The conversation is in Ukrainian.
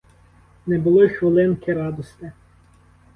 Не було й хвилинки радости.